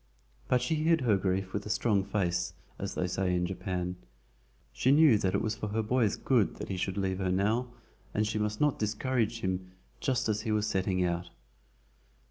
But she hid her grief with a strong face, as they say in Japan. She knew that it was for her boy's good that he should leave her now, and she must not discourage him just as he was setting out.